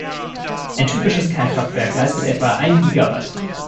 Ein typisches Kernkraftwerk leistet etwa ein Gigawatt.